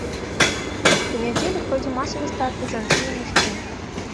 У нядзелю пройдзе масавы старт у жанчын і мужчын.